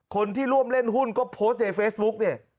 คนที่ร่วมเล่นหุ้นก็โพสต์ในเฟซบุ๊กเนี่ย